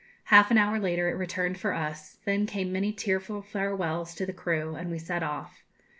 Half an hour later it returned for us; then came many tearful farewells to the crew, and we set off.